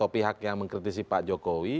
pihak yang mengkritisi pak jokowi